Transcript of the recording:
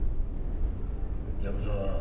藪沢